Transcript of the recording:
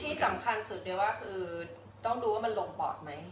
ที่สำคัญสุดเลยว่าคือต้องดูว่ามันลงปอดไหม